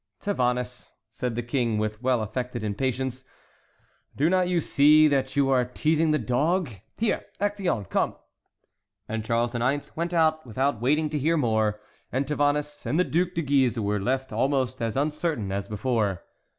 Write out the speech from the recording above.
"Tavannes," said the King, with well affected impatience, "do not you see that you are teasing the dog? Here, Actéon,—come!" And Charles IX. went out without waiting to hear more, and Tavannes and the Duc de Guise were left almost as uncertain as before.